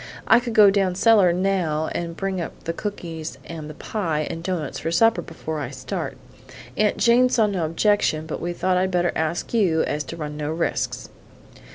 I could go down cellar now and bring up the cookies and the pie and doughnuts for supper before I start. Aunt Jane saw no objection; but we thought I'd better ask you so as to run no risks."